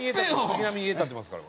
杉並に家建ててますから。